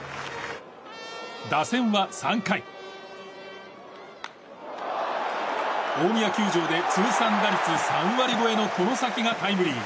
打線は３回、大宮球場で通算打率３割超えの外崎がタイムリー。